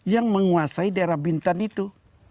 yang menguasai daerah bintan itu